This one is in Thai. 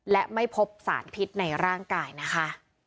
และไม่พบสารพิษในร่างกายนะคะ